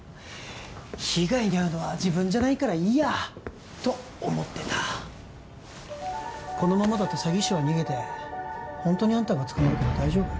被害に遭うのは自分じゃないからいいやと思ってたこのままだと詐欺師は逃げてホントにあんたが捕まるけど大丈夫？